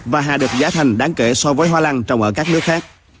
và hà được giá thành đáng kể so với hoa lan trồng ở các nước khác